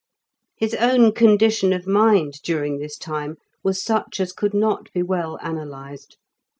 His own condition of mind during this time was such as could not be well analysed.